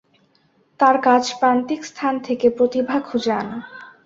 তার কাজ প্রান্তিক স্থান থেকে প্রতিভা খুঁজে আনা।